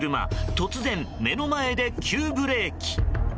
突然、目の前で急ブレーキ。